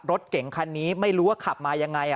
รถเก่งคันนี้ไม่รู้ว่าขับมายังไง